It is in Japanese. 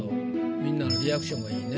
みんなのリアクションがいいね。